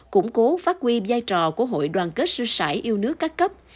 củng cố phát huy giai trò của hội đoàn kết sư sải yêu nước các cấp